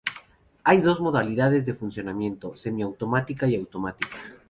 Hay dos modalidades de funcionamiento: semiautomática y automática.